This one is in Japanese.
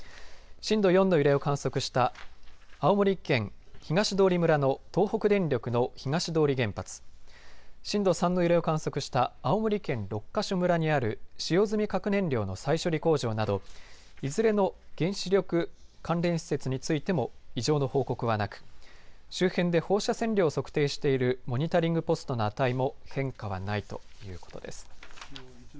震度４の揺れを観測した青森県東通村の東北電力の東通原発、震度３の揺れを観測した青森県六ヶ所村にある使用済み核燃料の再処理工場などいずれの原子力関連施設についても異常の報告はなく周辺で放射線量を測定しているモニタリングポストの値も変化はないということです。